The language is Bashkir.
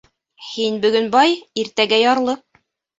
Һин бөгөн бай, иртәгә ярлы.